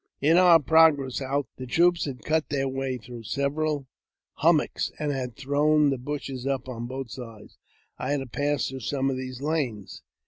In our progress out the troops had cut their way through several humjnochs, and had thrown the bushes up on both sides. I had to pass through some of these lanes.